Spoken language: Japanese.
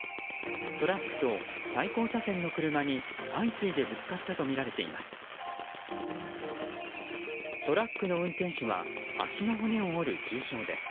トラックと対向車線の車に相次いでぶつかったとみられています。